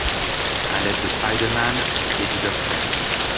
À l'aide de Spider-Man et du Dr.